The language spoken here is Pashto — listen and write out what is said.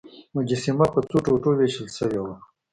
مجسمه په څو ټوټو ویشل شوې وه.